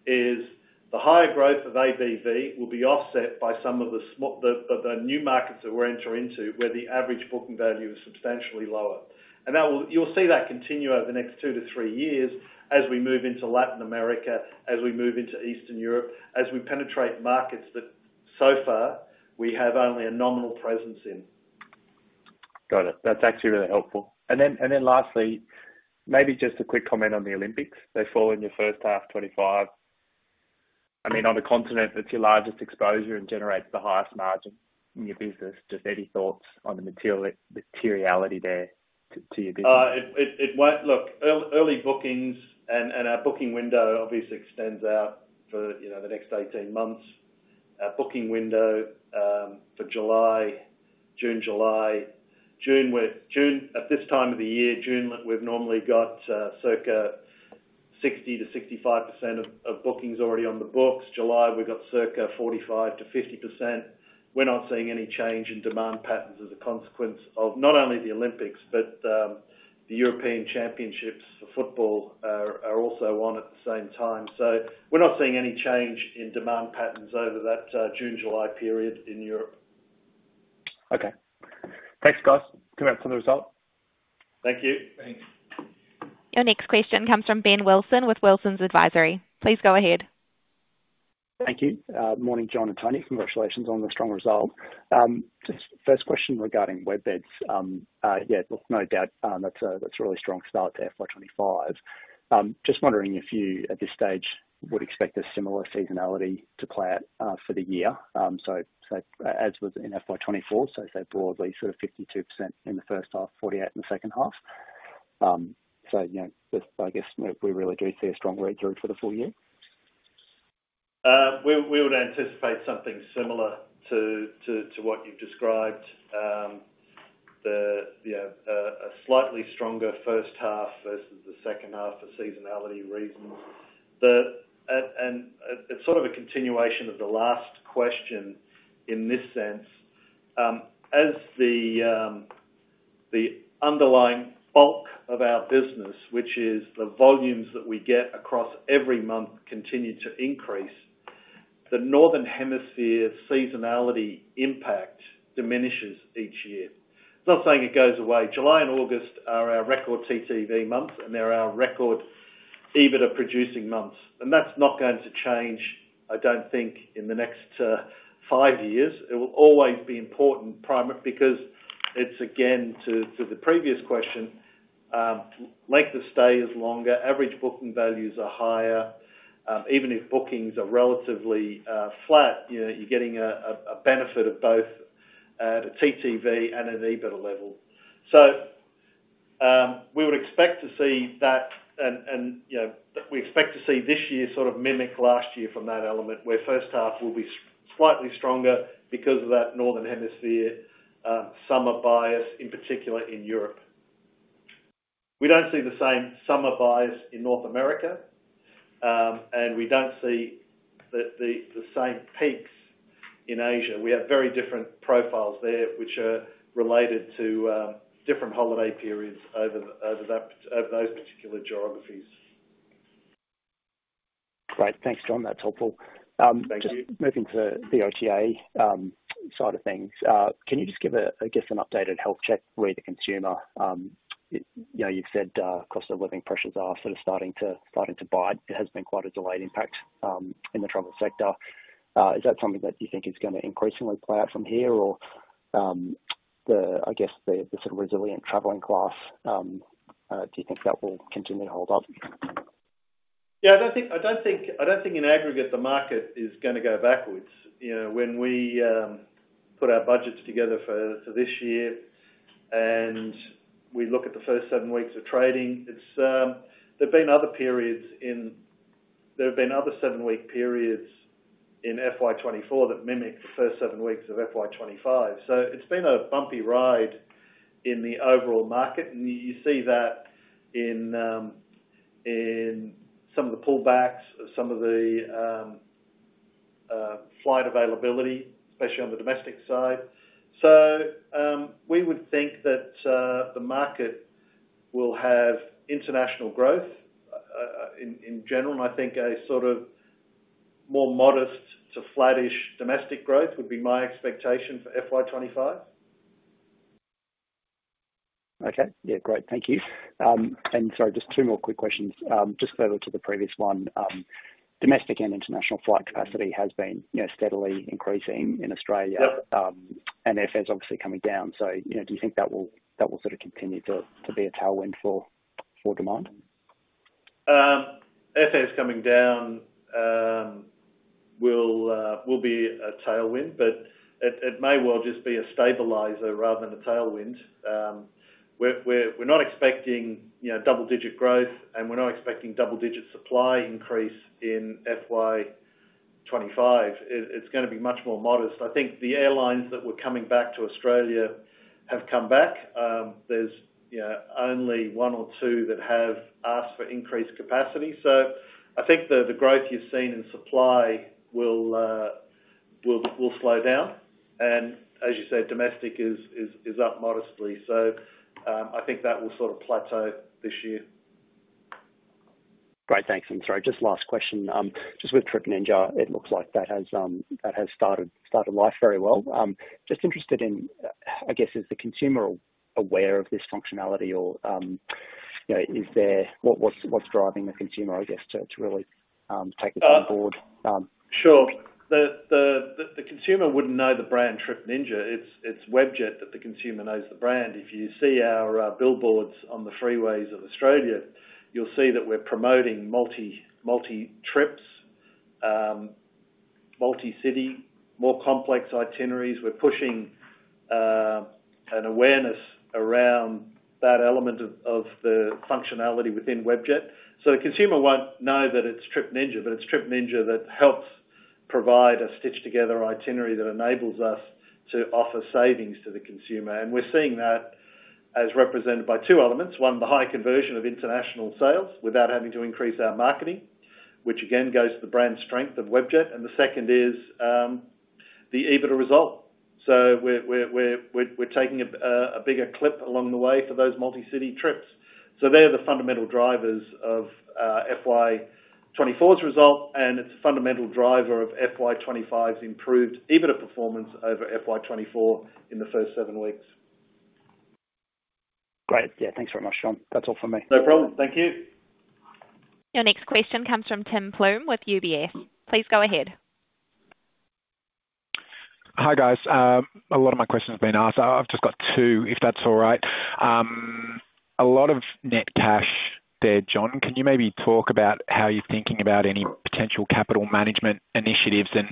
is the higher growth of ABV will be offset by some of the new markets that we're entering into, where the average booking value is substantially lower. That will. You'll see that continue over the next 2 years-3 years as we move into Latin America, as we move into Eastern Europe, as we penetrate markets that so far we have only a nominal presence in. Got it. That's actually really helpful. And then, and then lastly, maybe just a quick comment on the Olympics. They fall in your first half 2025. I mean, on the continent, that's your largest exposure and generates the highest margin in your business. Just any thoughts on the materiality there to your business? Look, early bookings and our booking window obviously extends out for, you know, the next 18 months. Our booking window for June, July. June, at this time of the year, we've normally got circa 60%-65% of bookings already on the books. July, we've got circa 45%-50%. We're not seeing any change in demand patterns as a consequence of not only the Olympics, but the European Championships for football are also on at the same time. So we're not seeing any change in demand patterns over that June, July period in Europe. Okay. Thanks, guys. Congrats on the result. Thank you. Thanks. Your next question comes from Ben Wilson with Wilsons Advisory. Please go ahead. Thank you. Morning, John and Tony. Congratulations on the strong result. Just first question regarding WebBeds. Yeah, look, no doubt, that's a really strong start to FY 2025. Just wondering if you, at this stage, would expect a similar seasonality to play out for the year? So as with in FY 2024, say broadly, sort of 52% in the first half, 48% in the second half. You know, just I guess we really do see a strong rate growth for the full year. We would anticipate something similar to what you've described. You know, a slightly stronger first half versus the second half for seasonality reasons. And it's sort of a continuation of the last question in this sense. As the underlying bulk of our business, which is the volumes that we get across every month, continue to increase, the Northern Hemisphere seasonality impact diminishes each year. Not saying it goes away. July and August are our record TTV months, and they're our record EBITDA producing months. And that's not going to change, I don't think, in the next five years. It will always be important primer, because it's again, to the previous question, length of stay is longer, average booking values are higher. Even if bookings are relatively flat, you know, you're getting a benefit of both at a TTV and an EBITDA level. So, we would expect to see that and, you know, we expect to see this year sort of mimic last year from that element, where first half will be slightly stronger because of that Northern Hemisphere summer bias, in particular in Europe. We don't see the same summer bias in North America, and we don't see the same peaks in Asia. We have very different profiles there, which are related to different holiday periods over those particular geographies. Great. Thanks, John. That's helpful. Thank you. Just moving to the OTA side of things. Can you just give a, I guess, an updated health check where the consumer, you know, you've said, cost of living pressures are sort of starting to, starting to bite. It has been quite a delayed impact in the travel sector. Is that something that you think is gonna increasingly play out from here? Or, the, I guess, the, the sort of resilient traveling class, do you think that will continue to hold up? Yeah, I don't think in aggregate, the market is gonna go backwards. You know, when we put our budgets together for this year. And we look at the first 7 weeks of trading, it's there have been other 7-week periods in FY 2024 that mimic the first 7 weeks of FY 2025. So it's been a bumpy ride in the overall market, and you see that in some of the pullbacks, some of the flight availability, especially on the domestic side. So we would think that the market will have international growth in general, and I think a sort of more modest to flattish domestic growth would be my expectation for FY 2025. Okay. Yeah, great. Thank you. And so just two more quick questions. Just further to the previous one, domestic and international flight capacity has been, you know, steadily increasing in Australia- Yep. and airfares obviously coming down. So, you know, do you think that will sort of continue to be a tailwind for demand? Airfares coming down will be a tailwind, but it may well just be a stabilizer rather than a tailwind. We're not expecting, you know, double-digit growth, and we're not expecting double-digit supply increase in FY 2025. It's gonna be much more modest. I think the airlines that were coming back to Australia have come back. There's, you know, only one or two that have asked for increased capacity. So I think the growth you've seen in supply will slow down, and as you said, domestic is up modestly. So, I think that will sort of plateau this year. Great. Thanks. And sorry, just last question. Just with Trip Ninja, it looks like that has started life very well. Just interested in, I guess, is the consumer aware of this functionality or, you know, is there, what's driving the consumer, I guess, to really take it on board? Sure. The consumer wouldn't know the brand Trip Ninja. It's Webjet that the consumer knows the brand. If you see our billboards on the freeways of Australia, you'll see that we're promoting multi trips, multi-city, more complex itineraries. We're pushing an awareness around that element of the functionality within Webjet. So the consumer won't know that it's Trip Ninja, but it's Trip Ninja that helps provide a stitch-together itinerary that enables us to offer savings to the consumer. And we're seeing that as represented by two elements. One, the high conversion of international sales without having to increase our marketing, which again goes to the brand strength of Webjet. And the second is the EBITDA result. So we're taking a bigger clip along the way for those multi-city trips. So they're the fundamental drivers of FY 2024's result, and it's a fundamental driver of FY 2025's improved EBITDA performance over FY 2024 in the first seven weeks. Great. Yeah. Thanks very much, John. That's all for me. No problem. Thank you. Your next question comes from Tim Plumbe with UBS. Please go ahead. Hi, guys. A lot of my questions have been asked. I've just got two, if that's all right. A lot of net cash there, John. Can you maybe talk about how you're thinking about any potential capital management initiatives and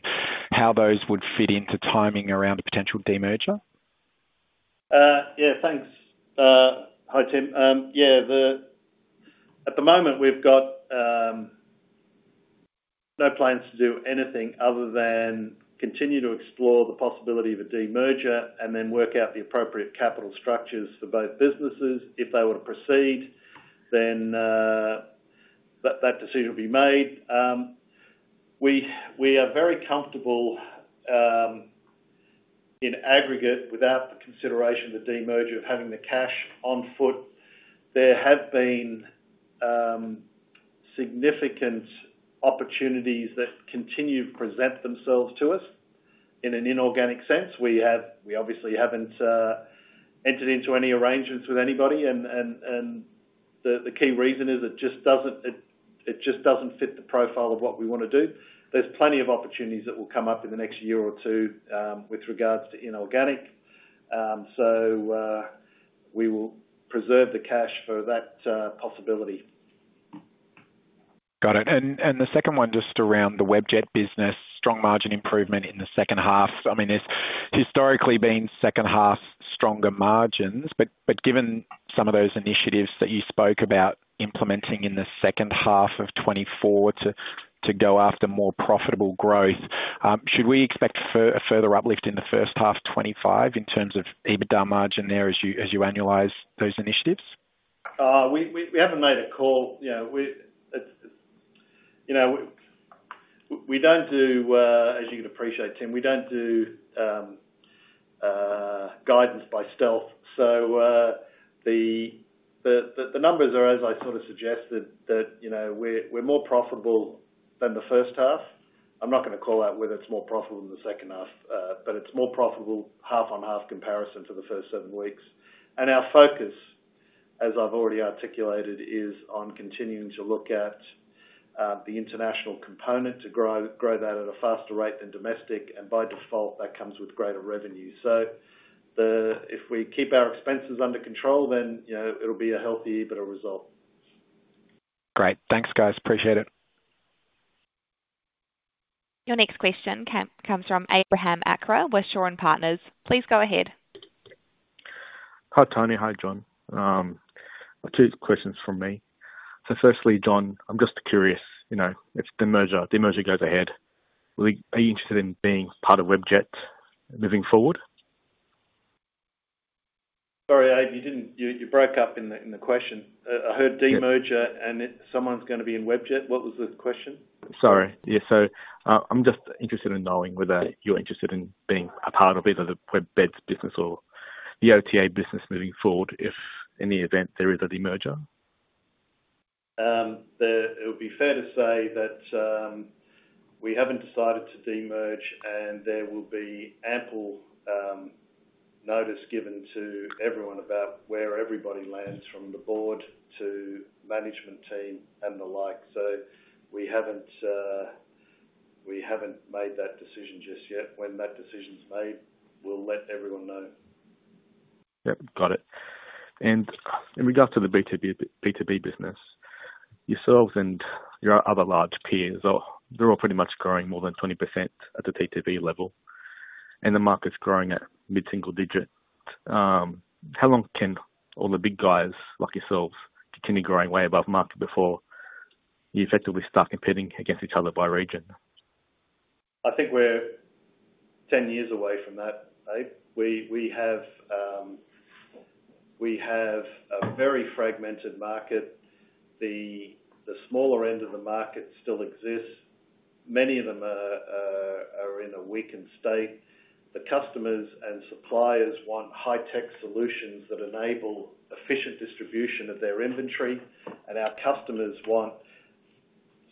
how those would fit into timing around a potential demerger? Yeah, thanks. Hi, Tim. Yeah, at the moment, we've got no plans to do anything other than continue to explore the possibility of a demerger and then work out the appropriate capital structures for both businesses. If they were to proceed, then that decision will be made. We are very comfortable, in aggregate, without the consideration of the demerger, of having the cash on hand. There have been significant opportunities that continue to present themselves to us in an inorganic sense. We obviously haven't entered into any arrangements with anybody, and the key reason is it just doesn't fit the profile of what we want to do. There's plenty of opportunities that will come up in the next year or two with regards to inorganic. So, we will preserve the cash for that possibility. Got it. And the second one, just around the Webjet business, strong margin improvement in the second half. I mean, it's historically been second half stronger margins, but given some of those initiatives that you spoke about implementing in the second half of 2024 to go after more profitable growth, should we expect a further uplift in the first half 2025 in terms of EBITDA margin there as you annualize those initiatives? We haven't made a call. You know, it's, you know, we don't do, as you'd appreciate, Tim, we don't do guidance by stealth. So, the numbers are, as I sort of suggested, that, you know, we're more profitable than the first half. I'm not going to call out whether it's more profitable than the second half, but it's more profitable half-on-half comparison to the first seven weeks. And our focus, as I've already articulated, is on continuing to look at the international component to grow that at a faster rate than domestic, and by default, that comes with greater revenue. So, if we keep our expenses under control, then, you know, it'll be a healthy EBITDA result. Great. Thanks, guys. Appreciate it. Your next question comes from Abraham Akra, Shaw and Partners. Please go ahead. Hi, Tony. Hi, John. Two questions from me. So firstly, John, I'm just curious, you know, if demerger goes ahead, are you interested in being part of Webjet moving forward? Sorry, Abraham, you didn't, you broke up in the question. I heard demerger and someone's going to be in Webjet. What was the question? Sorry. Yeah, so, I'm just interested in knowing whether you're interested in being a part of either the WebBeds business or the OTA business moving forward, if in the event there is a demerger? It would be fair to say that we haven't decided to demerge, and there will be ample notice given to everyone about where everybody lands, from the board to management team and the like. So, we haven't, we haven't made that decision just yet. When that decision is made, we'll let everyone know. Yep, got it. And in regard to the B2B, B2B business, yourselves and your other large peers are—they're all pretty much growing more than 20% at the B2B level, and the market's growing at mid-single digit. How long can all the big guys like yourselves continue growing way above market before you effectively start competing against each other by region? I think we're 10 years away from that, Abraham. We, we have, we have a very fragmented market. The smaller end of the market still exists. Many of them are, are in a weakened state. The customers and suppliers want high-tech solutions that enable efficient distribution of their inventory, and our customers want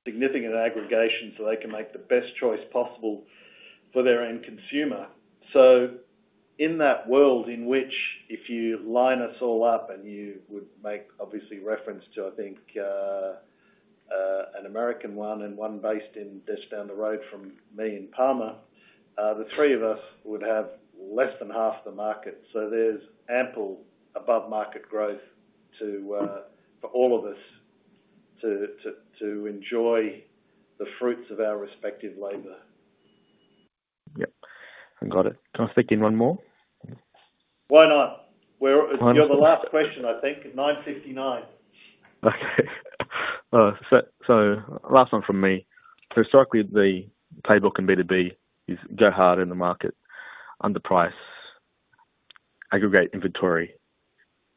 significant aggregation so they can make the best choice possible for their end consumer. So, in that world in which if you line us all up, and you would make obviously reference to, I think, an American one and one based in, just down the road from me in Palma, the three of us would have less than half the market. So, there's ample above market growth to, for all of us to, to enjoy the fruits of our respective labor. Yep, I got it. Can I fit in one more? Why not? You're the last question, I think, at 9:59. Okay. So last one from me. So historically, the playbook in B2B is go hard in the market, underprice, aggregate inventory,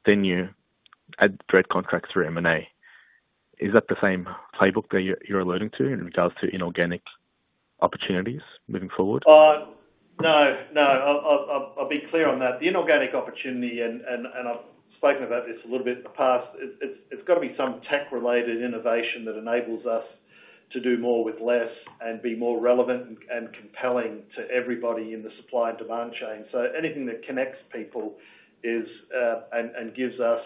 then you add third-party contracts through M&A. Is that the same playbook that you're alluding to in regard to inorganic opportunities moving forward? No, no. I'll be clear on that. The inorganic opportunity and I've spoken about this a little bit in the past, it's got to be some tech-related innovation that enables us to do more with less and be more relevant and compelling to everybody in the supply and demand chain. So, anything that connects people is and gives us,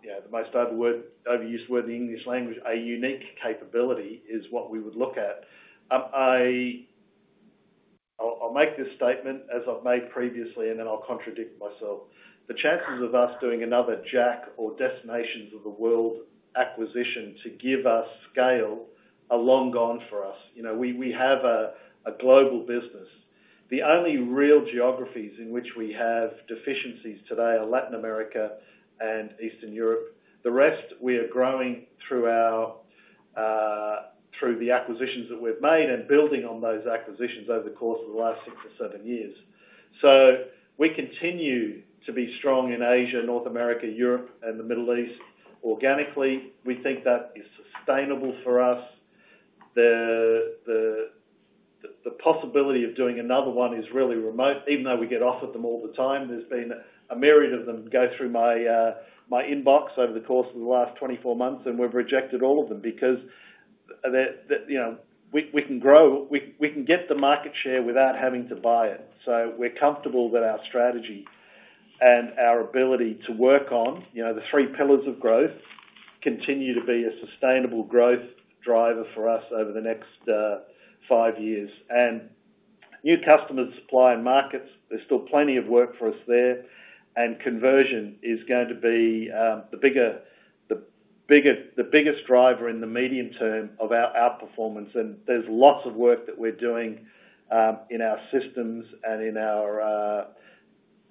you know, the most overused word in English language, a unique capability is what we would look at. I'll make this statement as I've made previously, and then I'll contradict myself. The chances of us doing another JacTravel or Destinations of the World acquisition to give us scale are long gone for us. You know, we have a global business. The only real geographies in which we have deficiencies today are Latin America and Eastern Europe. The rest, we are growing through our, through the acquisitions that we've made and building on those acquisitions over the course of the last six or seven years. So, we continue to be strong in Asia, North America, Europe, and the Middle East. Organically, we think that is sustainable for us. The possibility of doing another one is really remote, even though we get offered them all the time. There's been a myriad of them go through my, my inbox over the course of the last 24 months, and we've rejected all of them because the, you know, we, we can grow. We, we can get the market share without having to buy it. So, we're comfortable with our strategy and our ability to work on, you know, the three pillars of growth, continue to be a sustainable growth driver for us over the next five years. And new customers, supply, and markets, there's still plenty of work for us there, and conversion is going to be the bigger, the bigger, the biggest driver in the medium term of our outperformance. And there's lots of work that we're doing in our systems and in our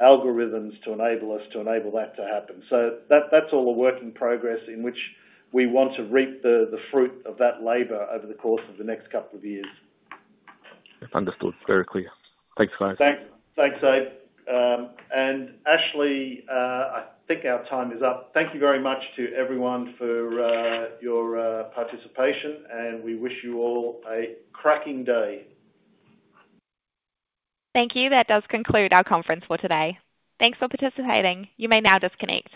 algorithms to enable us, to enable that to happen. So that, that's all a work in progress in which we want to reap the, the fruit of that labor over the course of the next couple of years. Understood. Very clear. Thanks a lot. Thanks. Thanks, Abraham. And Ashley, I think our time is up. Thank you very much to everyone for your participation, and we wish you all a cracking day. Thank you. That does conclude our conference for today. Thanks for participating. You may now disconnect.